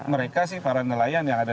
mereka sih para nelayan yang ada